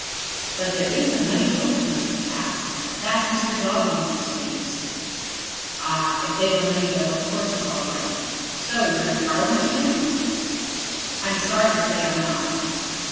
"But there is a money bill which must be passed. That's Mr. Daubeny's excuse." "Ah, if they've a money bill of course it's all right. So you're in Parliament again?" "I'm sorry to say I'm not."